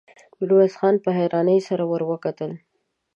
ميرويس خان په حيرانۍ ور وکتل.